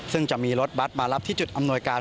ซึ่งจะมีรถบัตรมารับที่จุดอำนวยการ